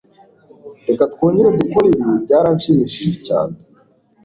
Reka twongere dukore ibi. Byarashimishije cyane.